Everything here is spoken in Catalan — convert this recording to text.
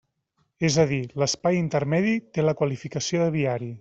És a dir, l'espai intermedi té la qualificació de viari.